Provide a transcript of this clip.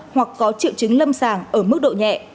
hoặc có triệu chứng lâm sàng ở mức độ nhẹ